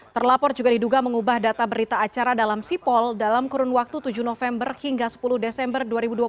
terlapor juga diduga mengubah data berita acara dalam sipol dalam kurun waktu tujuh november hingga sepuluh desember dua ribu dua puluh